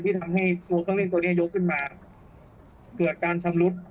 ที่ทำให้ตัวเครื่องเล่นตัวนี้ยกขึ้นมาเกิดการชำรุด